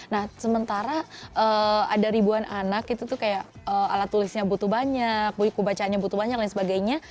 nah sementara ada ribuan anak itu tuh kayak alat tulisnya butuh banyak buku bacaannya butuh banyak dan sebagainya